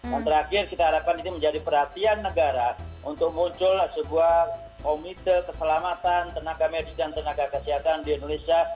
dan terakhir kita harapkan ini menjadi perhatian negara untuk muncul sebuah komite keselamatan tenaga medis dan tenaga kesehatan di indonesia